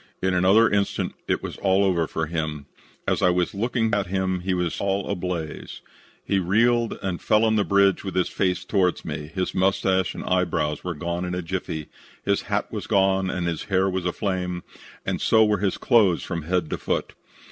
"In another instant it was all over for him. As I was looking at him he was all ablaze. He reeled and fell on the bridge with his face toward me. His mustache and eyebrows were gone in a jiffy. His hat had gone, and his hair was aflame, and so were his clothes from head to foot.